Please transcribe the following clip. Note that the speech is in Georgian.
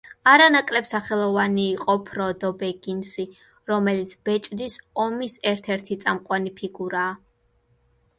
არანაკლებ სახელოვანი იყო ფროდო ბეგინსი, რომელიც ბეჭდის ომის ერთ-ერთი წამყვანი ფიგურაა.